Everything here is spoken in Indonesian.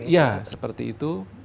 ya seperti itu